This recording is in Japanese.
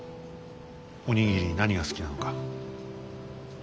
お握り何が好きなのか。